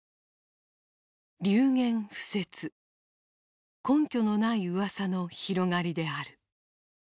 「流言浮説」根拠のないうわさの広がりである。